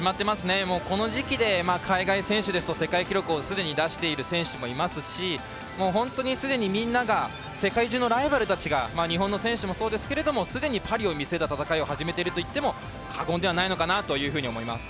この時期で海外選手ですと、世界記録をすでに出している選手もいますしもう本当にすでにみんなが世界中のライバルたちが日本の選手たちもそうですけどすでにパリを見据えた戦いを始めているといっても過言ではないのかなと思います。